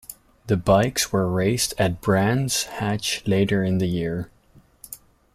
The bikes were raced at Brands Hatch later in the year.